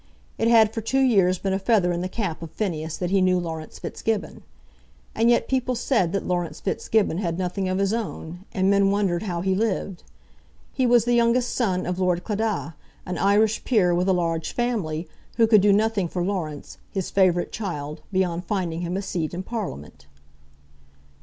It had for two years been a feather in the cap of Phineas that he knew Laurence Fitzgibbon. And yet people said that Laurence Fitzgibbon had nothing of his own, and men wondered how he lived. He was the youngest son of Lord Claddagh, an Irish peer with a large family, who could do nothing for Laurence, his favourite child, beyond finding him a seat in Parliament.